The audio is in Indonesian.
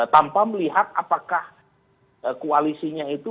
tanpa melihat apakah koalisinya itu